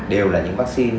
đều là những vaccine